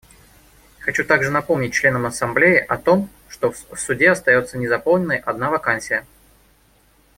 Хочу также напомнить членам Ассамблеи о том, что в Суде остается незаполненной одна вакансия.